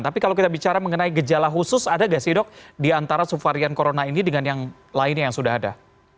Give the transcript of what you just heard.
tapi kalau kita bicara mengenai gejala khusus ada nggak sih dok di antara subvarian corona ini dengan yang lainnya yang sudah ada